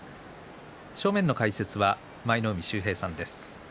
正面の解説は舞の海秀平さんです。